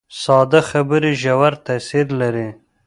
ساده خبرې ژور تاثیر لري